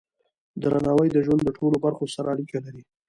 درناوی د ژوند د ټولو برخو سره اړیکه لري.